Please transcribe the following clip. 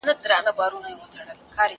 کوم قومونه چي ستاسو څخه مخکي وه.